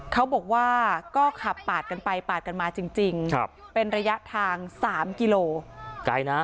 เขาบอกว่าก็ขับปาดกันไปปาดกันมาจริงจริงครับเป็นระยะทางสามกิโลไกลนะ